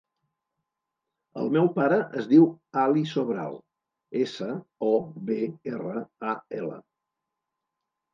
El meu pare es diu Ali Sobral: essa, o, be, erra, a, ela.